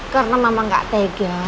karena mama nggak tega